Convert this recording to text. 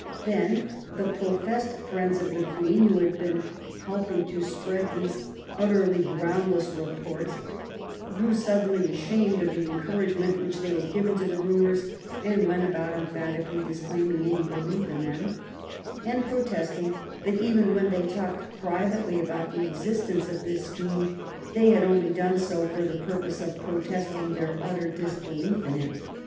Then the professed friends of the Queen, who had been helping to spread these utterly groundless re ports, grew suddenly ashamed of the encouragement which they had given to the rumors, and went about emphatically disclaiming any belief in them, and pro testing that even when they talked privately about the existence of this scheme they had only done so for the purpose of protesting their utter disbelief in it.